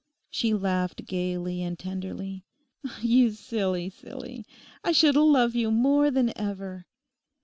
She laughed gaily and tenderly. 'You silly silly; I should love you more than ever.